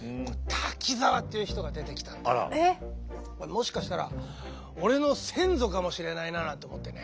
もしかしたら俺の先祖かもしれないなと思ってね。